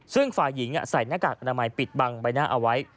ซึ่งฝ่ายหญิงใส่หน้ากากอนามัยปิดบังใบหน้าเอาไว้